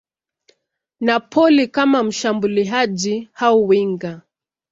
Napoli kama mshambuliaji au winga.